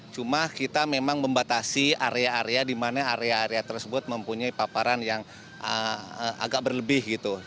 cuma kita memang membatasi area area di mana area area tersebut mempunyai paparan yang agak berlebih gitu